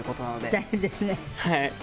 大変ですね。